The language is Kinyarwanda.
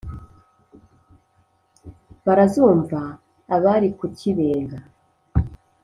barazumva abari ku kibenga